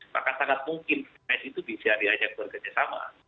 maka sangat mungkin anies itu bisa diajak bekerja sama